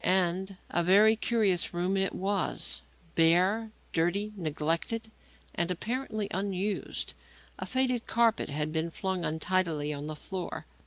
And a very curious room it was; bare, dirty, neglected and, apparently, unused. A faded carpet had been flung untidily on the floor.